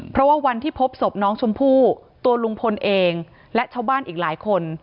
เพราะว่าวันที่พบศพน้องชมพู่ตัวลุงพลเองและชาวบ้านอีกหลายคน